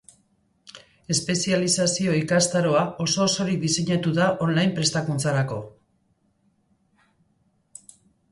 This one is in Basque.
Espezializazio-ikastaroa oso-osorik diseinatu da online prestakuntzarako.